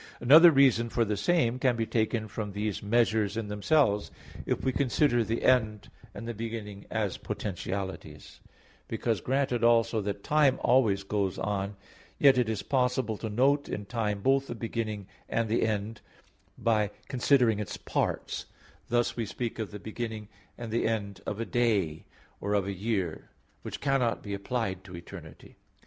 Another reason for the same can be taken from these measures in themselves, if we consider the end and the beginning as potentialities; because, granted also that time always goes on, yet it is possible to note in time both the beginning and the end, by considering its parts: thus we speak of the beginning and the end of a day or of a year; which cannot be applied to eternity.